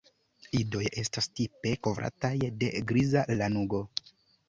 Idoj estas tipe kovrataj de griza lanugo.